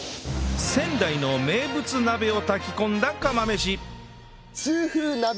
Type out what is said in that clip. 仙台の名物鍋を炊き込んだ釜飯